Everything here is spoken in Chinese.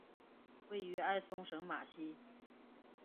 位于埃松省马西。